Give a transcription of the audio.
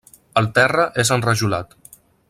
El terra és enrajolat.